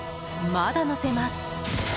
まだのせます。